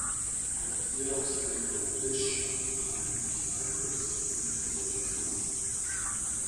Jedoch sei "Go Fish" auch nach Ansicht einiger dieser Kritiker durchaus wertvoll.